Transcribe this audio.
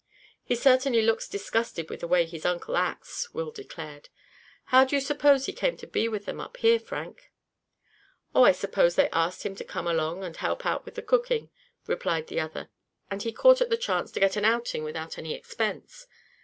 "He certainly looks disgusted with the way his uncle acts," Will declared. "How do you suppose he came to be with them up here, Frank?" "Oh, I suppose they asked him to come along, and help out with the cooking," replied the other, "and he caught at the chance to get an outing without any expense.